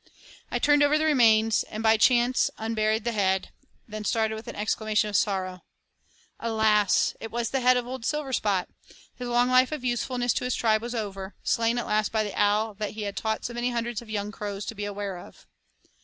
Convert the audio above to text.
I turned over the remains, and by chance unburied the head then started with an exclamation of sorrow. Alas! It was the head of old Silverspot. His long life of usefulness to his tribe was over slain at last by the owl that he had taught so many hundreds of young crows to beware of.